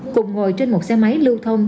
cùng ngồi trên một xe máy lưu thông